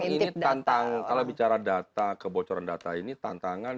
bisa disalahgunakan dan juga untuk mengintip data kalau bicara data kebocoran data ini tantangan